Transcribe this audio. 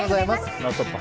「ノンストップ！」